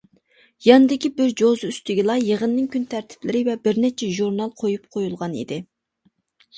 ياندىكى بىر جوزا ئۈستىگىلا يىغىننىڭ كۈن تەرتىپلىرى ۋە بىر نەچچە ژۇرنال قۇيۇپ قۇيۇلغان ئىدى.